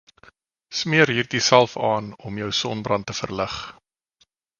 Smeer hierdie salf aan om jou sonbrand te verlig.